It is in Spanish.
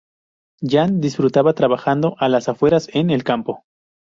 Jan disfrutaba trabajando a las afueras, en el campo.